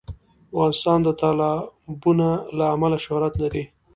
افغانستان د تالابونه له امله شهرت لري.